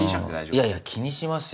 いやいや気にします